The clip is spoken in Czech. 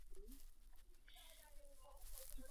Objevily se spekulace o možné rakovině prostaty.